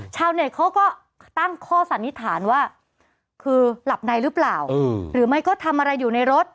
ชาวเน็ตเขาก็ตั้งข้อสันนิษฐานว่าคือหลับในหรือเปล่าหรือไม่ก็ทำอะไรอยู่ในรถ